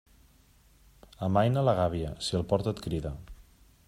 Amaina la gàbia, si el port et crida.